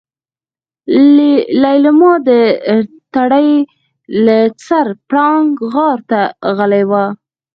ليلما د تړې له سره پړانګ غار ته غلې وه.